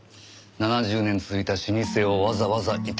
７０年続いた老舗をわざわざ移転したのも。